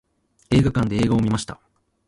映画館で映画を観ました。